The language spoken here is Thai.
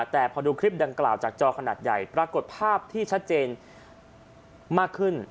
แต่พอดูคลิปดังกล่าวจากจอขนาดใหญ่ปรากฏภาพที่ชัดเจนมากขึ้น